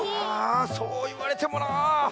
そういわれてもな。